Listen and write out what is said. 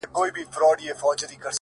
• د ځوانیمرګو زړو تاوده رګونه,